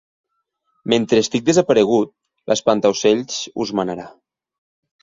Mentre estic desaparegut, l'espantaocells us manarà.